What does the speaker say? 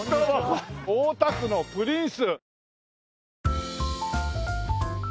大田区のプリンス。